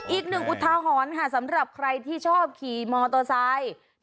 อุทาหรณ์ค่ะสำหรับใครที่ชอบขี่มอเตอร์ไซค์